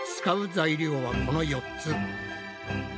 使う材料はこの４つ。